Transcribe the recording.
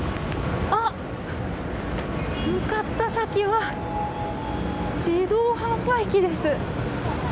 向かった先は自動販売機です。